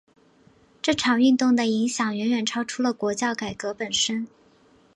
这场运动的影响远远超出了国教改革本身。